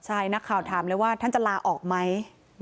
ใช่นักข่าวถามเลยว่าท่านจะลาออกไหม